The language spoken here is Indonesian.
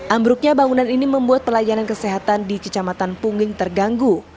ambruknya bangunan ini membuat pelayanan kesehatan di kecamatan pungging terganggu